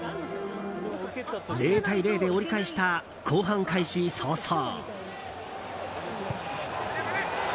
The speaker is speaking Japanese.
０対０で折り返した後半開始早々。